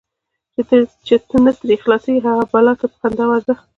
چی نه ترې خلاصیږې، هغی بلا ته په خندا ورځه .